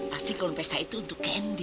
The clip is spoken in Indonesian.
pasti gaun pesta itu untuk candy